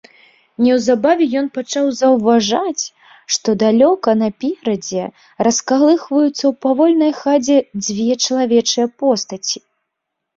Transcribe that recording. Неўзабаве ён пачаў заўважаць, што далёка наперадзе раскалыхваюцца ў павольнай хадзе дзве чалавечыя постаці.